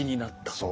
そう。